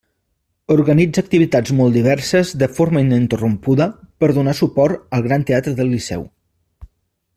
Organitza activitats molt diverses de forma ininterrompuda per donar suport al Gran Teatre del Liceu.